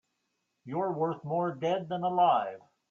You're worth more dead than alive.